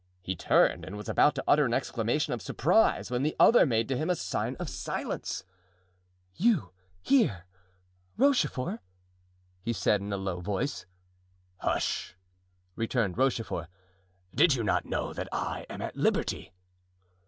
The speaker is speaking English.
He turned and was about to utter an exclamation of surprise when the other made to him a sign of silence. "You here, Rochefort?" he said, in a low voice. "Hush!" returned Rochefort. "Did you know that I am at liberty?"